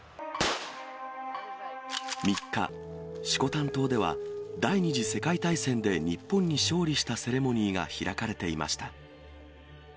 ３日、色丹島では、第２次世界大戦で日本に勝利したセレモニーが開かれていました。